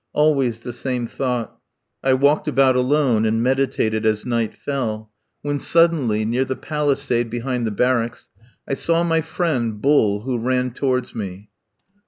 Always the same thought. I walked about alone and meditated as night fell, when, suddenly, near the palisade behind the barracks, I saw my friend, Bull, who ran towards me.